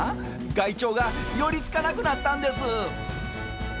害鳥が寄りつかなくなったんです。